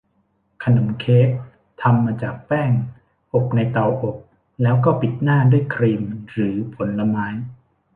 ขนมเค้กทำมาจากแป้ง อบในเตาอบ แล้วก็ปิดหน้าด้วยครีมหรือผลไม้